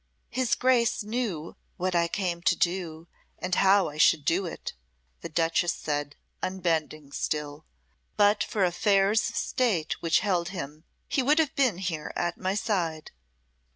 "His Grace knew what I came to do and how I should do it," the duchess said, unbending still. "But for affairs of State which held him, he would have been here at my side."